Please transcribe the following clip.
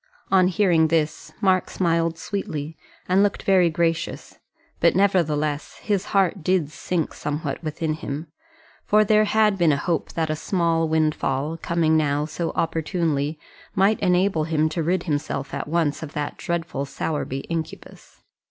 On hearing this read Mark smiled sweetly, and looked very gracious; but, nevertheless, his heart did sink somewhat within him, for there had been a hope that a small windfall, coming now so opportunely, might enable him to rid himself at once of that dreadful Sowerby incubus.